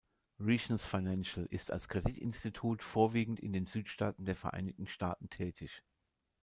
Regions Financial ist als Kreditinstitut vorwiegend in den Südstaaten der Vereinigten Staaten tätig.